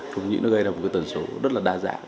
dung nhĩ nó gây ra một tần số rất là đa gia